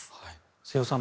瀬尾さん